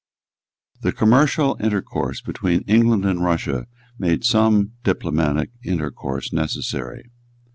The commercial intercourse between England and Russia made some diplomatic intercourse necessary.